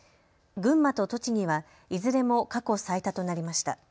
群馬と栃木はいずれも過去最多となりました。